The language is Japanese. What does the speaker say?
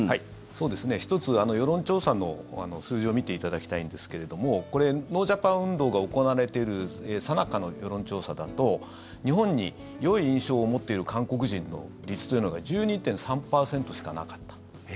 １つ、世論調査の数字を見ていただきたいんですけれどもこれ、ノージャパン運動が行われているさなかの世論調査だと日本によい印象を持っている韓国人の率というのが１２．３％しかなかった。